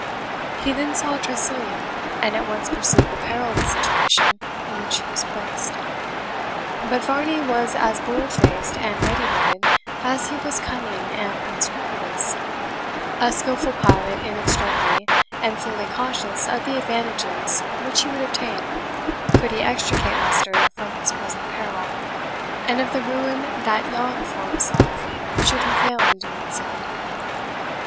He then saw Tressilian, and at once perceived the peril of the situation in which he was placed. But Varney was as bold faced and ready witted as he was cunning and unscrupulous a skilful pilot in extremity, and fully conscious of the advantages which he would obtain could he extricate Leicester from his present peril, and of the ruin that yawned for himself should he fail in doing so.